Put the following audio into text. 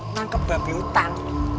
nangkep babi hutan